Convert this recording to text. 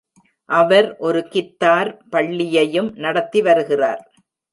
அவர் ஒரு கித்தார் பள்ளியையும் நடத்தி வருகிறார்.